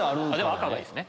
赤がいいっすね。